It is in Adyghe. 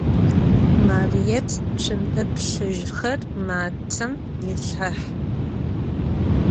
Marıêt, tsumpe plhıjxer matem yilhhex!